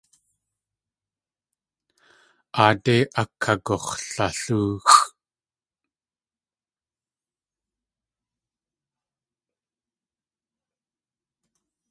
Aadé akagux̲lalóoxʼ.